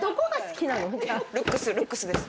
ルックスルックスです。